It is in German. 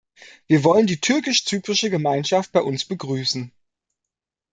Wir wollen die türkisch-zyprische Gemeinschaft bei uns begrüßen.